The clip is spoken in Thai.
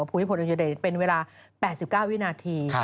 ภูมิพลอดุญเดชเป็นเวลา๘๙วินาที